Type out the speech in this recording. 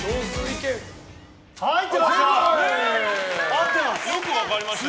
入ってました！